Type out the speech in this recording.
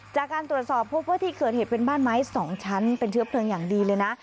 จากการตรวจสอบพบว่าที่เกิดเหตุเป็นบ้านไม้๒ชั้นเป็นเชื้อเพลิงอย่างดีเลยนะ